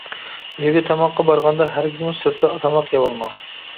ئۆيگە تاماققا بارغاندا ھەرگىزمۇ سىرتتا تاماق يەۋالماڭ.